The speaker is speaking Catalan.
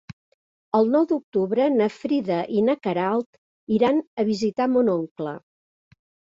El nou d'octubre na Frida i na Queralt iran a visitar mon oncle.